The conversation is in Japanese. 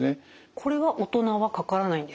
これは大人はかからないんですか？